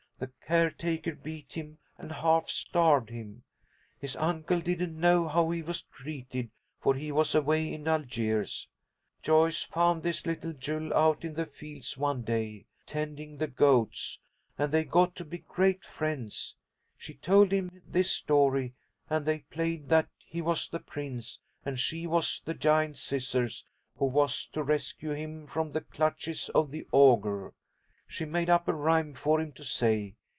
The care taker beat him and half starved him. His uncle didn't know how he was treated, for he was away in Algiers. Joyce found this little Jules out in the fields one day, tending the goats, and they got to be great friends She told him this story, and they played that he was the prince and she was the Giant Scissors who was to rescue him from the clutches of the Ogre. She made up a rhyme for him to say.